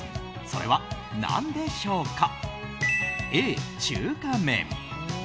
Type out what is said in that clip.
それは何でしょうか。